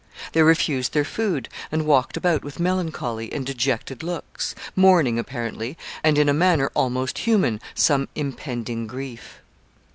They refused their food, and walked about with melancholy and dejected looks, mourning apparently, and in a manner almost human, some impending grief.